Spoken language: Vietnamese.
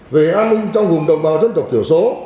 về an ninh trong vùng đồng bào dân tộc thiểu số